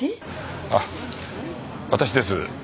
あっ私です。